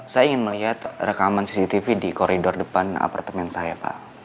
saya ingin melihat rekaman cctv di koridor depan apartemen saya pak